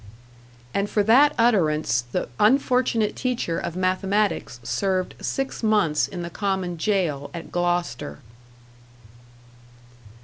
And for that utterance the unfortunate teacher of mathematics served six months in the common Gaol at Gloucester!